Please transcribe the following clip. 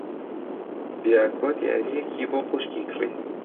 دیاکۆ دیارییەکی بۆ خوشکی کڕی.